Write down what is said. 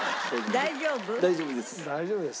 大丈夫です。